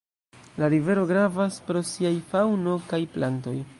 La rivero gravas pro siaj faŭno kaj plantoj.